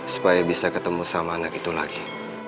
supaya bisa ketemu sama anak itu lagi